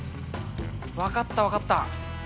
分かった、分かった。